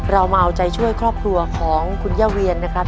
เรามาเอาใจช่วยครอบครัวของคุณย่าเวียนนะครับ